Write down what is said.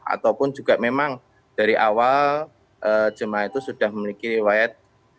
ataupun juga memang dari awal jemaah itu sudah memiliki riwayat